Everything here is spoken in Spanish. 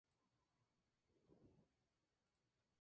Se encuentra en Irán Irak y Turquía.